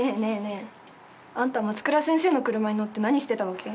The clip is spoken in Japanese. えあんた、松倉先生の車に乗って何してたわけ？